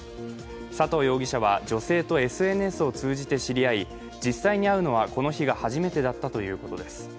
佐藤容疑者は女性とＳＮＳを通じて知り合い、実際に会うのは、この日が初めてだったということです。